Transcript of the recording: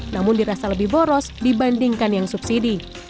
namun dirasa lebih boros dibandingkan yang subsidi